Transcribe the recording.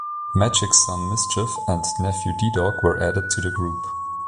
Magic's son Mischief and nephew D-Dog were added to the group.